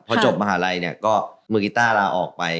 พอจบมหาลัยเนี่ยก็มือกีต้าลาออกไป